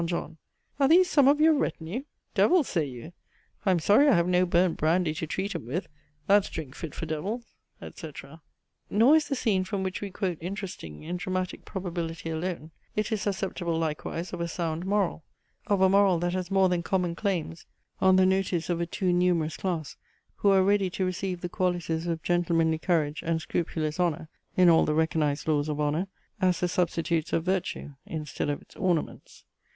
JOHN. Are these some of your retinue? Devils, say you? I'm sorry I have no burnt brandy to treat 'em with, that's drink fit for devils," etc. Nor is the scene from which we quote interesting, in dramatic probability alone; it is susceptible likewise of a sound moral; of a moral that has more than common claims on the notice of a too numerous class, who are ready to receive the qualities of gentlemanly courage, and scrupulous honour, (in all the recognised laws of honour,) as the substitutes of virtue, instead of its ornaments.